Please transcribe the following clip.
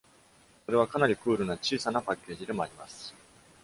それはかなりクールな小さなパッケージでもあります。